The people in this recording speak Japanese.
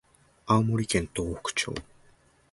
青森県東北町